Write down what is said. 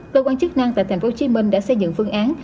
cơ quan chức năng tại tp hcm đã xây dựng phương án